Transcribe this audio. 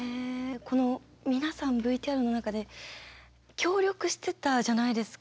この皆さんＶＴＲの中で協力してたじゃないですか。